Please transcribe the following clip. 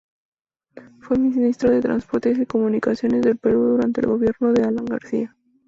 Fue Ministro de Transportes y Comunicaciones del Perú, durante el gobierno de Alan García.